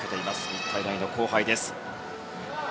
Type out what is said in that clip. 日体大の後輩です。